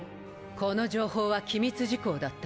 この情報は機密事項だったの。